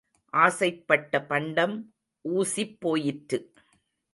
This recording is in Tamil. ஆசைப்பட்ட பண்டம் ஊசிப் போயிற்று.